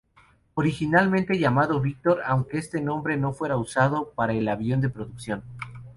Originalmente llamado Victor, aunque este nombre no fuera usado para el avión de producción.